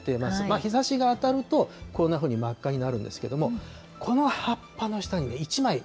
日ざしが当たると、こんなふうに真っ赤になるんですけれども、この葉っぱの下に１枚。